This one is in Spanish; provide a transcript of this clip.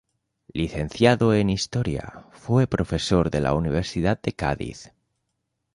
Licenciado en Historia, fue profesor de la Universidad de Cádiz.